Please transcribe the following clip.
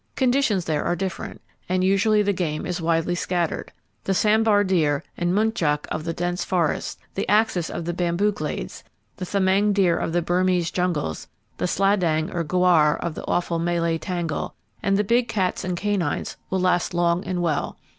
Conditions there are different, and usually the game is widely scattered. The sambar deer and muntjac of the dense forests, the axis of the bamboo glades, the thameng deer of the Burmese jungles, the sladang, or gaur, of the awful Malay tangle, and the big cats and canines will last long and well.